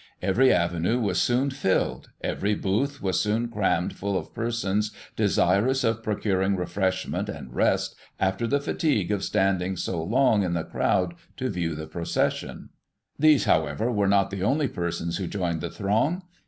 Every avenue was soon filled, every booth was soon crammed full of persons desirous of procuring refreshment and rest after the fatigue of standing so long in the crowd to view the procession. " These, however, were not the only persons who joined the throng.